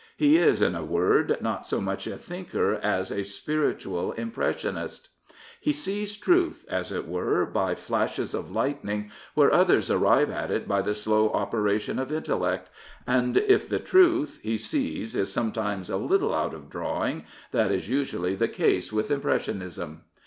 He is, in a word, not so much a tHinkef aJa spinTu^^ He sees truth, as it were, by flashes of lightning where others arrive at it by the slow operation of intellect, and if the truth, 270 Dr. Horton as he sees, is sometimes a little out of drawing, that is usually the case with impressionism.